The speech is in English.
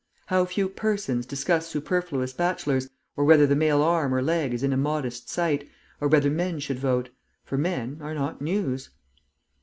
How few persons discuss superfluous bachelors, or whether the male arm or leg is an immodest sight, or whether men should vote. For men are not News.